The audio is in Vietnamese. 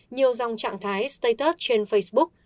nhiều dòng trạng thái status trên facebook